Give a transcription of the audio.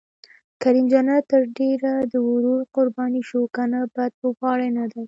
کریم جنت تر ډېره د ورور قرباني شو، که نه بد لوبغاړی نه دی.